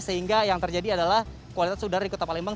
sehingga yang terjadi adalah kualitas udara di kota palembang